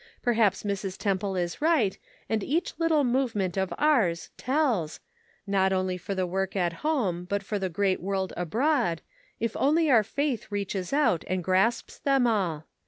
Perhaps Mrs. Temple is right, and each little movement of ours tells, not only for the work at home, but for the great world abroad, if only our faith reaches out and grasps them all.